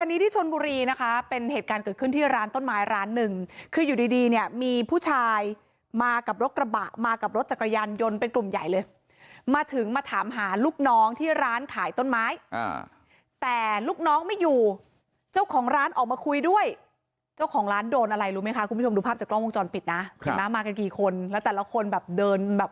อันนี้ที่ชนบุรีนะคะเป็นเหตุการณ์เกิดขึ้นที่ร้านต้นไม้ร้านหนึ่งคืออยู่ดีดีเนี่ยมีผู้ชายมากับรถกระบะมากับรถจักรยานยนต์เป็นกลุ่มใหญ่เลยมาถึงมาถามหาลูกน้องที่ร้านขายต้นไม้อ่าแต่ลูกน้องไม่อยู่เจ้าของร้านออกมาคุยด้วยเจ้าของร้านโดนอะไรรู้ไหมคะคุณผู้ชมดูภาพจากกล้องวงจรปิดนะเห็นไหมมากันกี่คนแล้วแต่ละคนแบบเดินแบบ